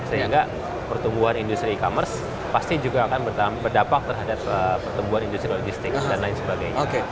sehingga pertumbuhan industri e commerce pasti juga akan berdampak terhadap pertumbuhan industri logistik dan lain sebagainya